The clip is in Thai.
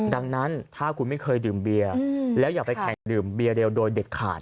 ดังนั้นถ้าคุณไม่เคยดื่มเบียร์แล้วอย่าไปแข่งดื่มเบียเร็วโดยเด็ดขาด